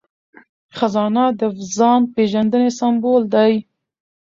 خزانه د ځان پیژندنې سمبول دی.